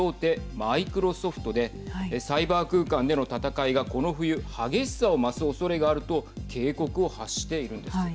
マイクロソフトでサイバー空間での戦いがこの冬激しさを増すおそれがあると警告を発しているんです。